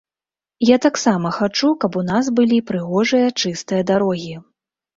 Я таксама хачу, каб у нас былі прыгожыя, чыстыя дарогі.